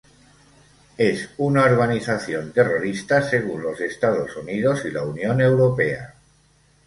Es una organización terrorista según los Estados Unidos y la Unión Europea.